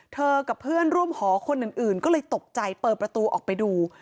กับเพื่อนร่วมหอคนอื่นก็เลยตกใจเปิดประตูออกไปดู